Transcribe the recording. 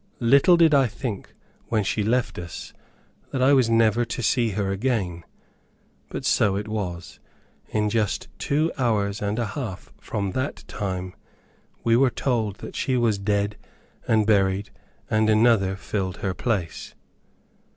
Little did I think, when she left us, that I was never to see her again. But so it was. In just two hours and a half from that time, we were told that she was dead and buried, and another filled her place!